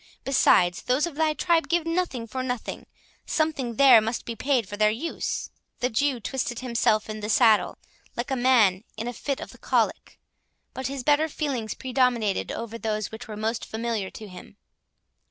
Besides, those of thy tribe give nothing for nothing; something there must be paid for their use." The Jew twisted himself in the saddle, like a man in a fit of the colic; but his better feelings predominated over those which were most familiar to him.